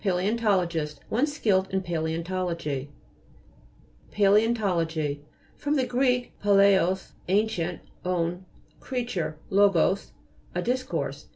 PA'LJEOXTO'LOGIST One skilled in paleontology. PALJEOXTO'LOGY fr. gr. palaios, an cient, on, creature, logos, a dis course.